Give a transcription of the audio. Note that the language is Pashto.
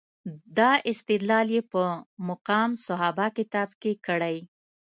دا استدلال یې په مقام صحابه کتاب کې کړی.